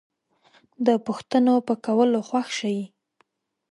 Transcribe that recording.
د پوښتنو په کولو خوښ شئ